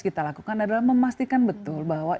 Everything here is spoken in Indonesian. kita lakukan adalah memastikan betul bahwa